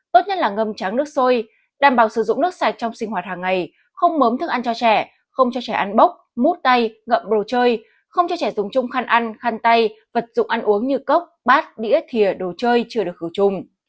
tốt nhất là ngâm trắng nước sôi đảm bảo sử dụng nước sạch trong sinh hoạt hàng ngày không mấm thức ăn cho trẻ không cho trẻ ăn bốc mút tay ngậm đồ chơi không cho trẻ dùng chung khăn ăn khăn tay vật dụng ăn uống như cốc bát đĩa thịa đồ chơi chưa được khử trùng